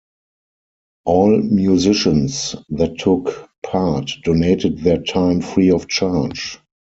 All musicians that took part donated their time free of charge.